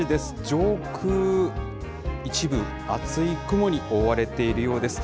上空、一部、厚い雲に覆われているようです。